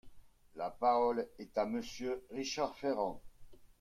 La parole est à Monsieur Richard Ferrand.